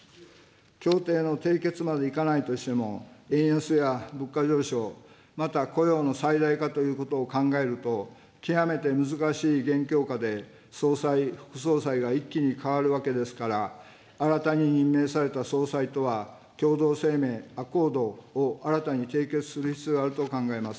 協定の締結までいかないとしても、円安や物価上昇、また雇用の最大化ということを考えると、極めて難しい現況下で、総裁、副総裁が一気に変わるわけですから、新たに任命された総裁とは、共同声明・アコードを新たに締結する必要があると考えます。